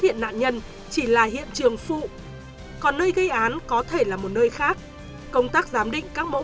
hiện nạn nhân chỉ là hiện trường phụ còn nơi gây án có thể là một nơi khác công tác giám định các mẫu